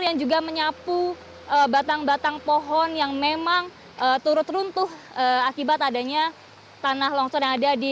yang juga menyapu batang batang pohon yang memang turut runtuh akibat adanya tanah longsor yang ada di